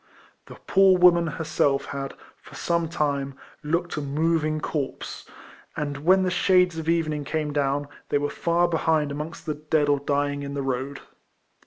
The poor woman herself had, for some time, looked a moving corpse; and Avhen the shades of evening came down, they were far behind amongst the dead or dying in the road.